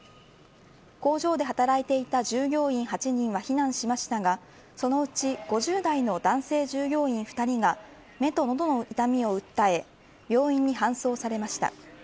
工場で働いていた従業員８人は避難しましたがそのうち５０代の男性従業員２人が目と喉の痛みを訴え病院に搬送されました。